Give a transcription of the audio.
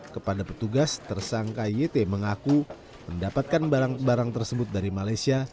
kepada petugas tersangka yt mengaku mendapatkan barang barang tersebut dari malaysia